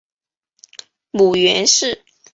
母袁氏。